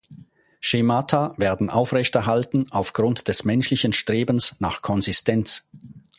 Schemata werden aufrechterhalten aufgrund des menschlichen Strebens nach Konsistenz.